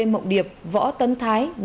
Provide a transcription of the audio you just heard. và trần văn hùng